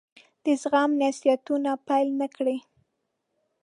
د زغم نصيحتونه پیل نه کړي.